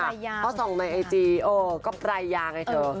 เพราะส่องในไอจีเออก็ปรายยาไงเธอ